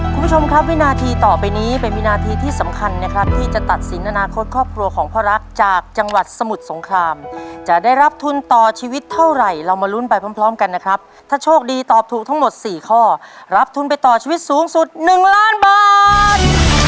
คุณผู้ชมครับวินาทีต่อไปนี้เป็นวินาทีที่สำคัญนะครับที่จะตัดสินอนาคตครอบครัวของพ่อรักจากจังหวัดสมุทรสงครามจะได้รับทุนต่อชีวิตเท่าไหร่เรามาลุ้นไปพร้อมพร้อมกันนะครับถ้าโชคดีตอบถูกทั้งหมดสี่ข้อรับทุนไปต่อชีวิตสูงสุด๑ล้านบาท